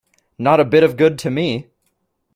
Not a bit of good to me.